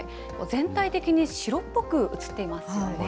全体的に白っぽく写っていますよね。